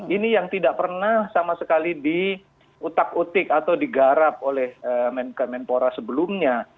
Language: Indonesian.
ini yang tidak pernah sama sekali diutak utik atau digarap oleh kemenpora sebelumnya